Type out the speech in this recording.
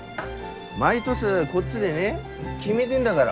毎年こっちでね決めてんだがら。